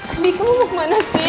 tadi kamu mau kemana sih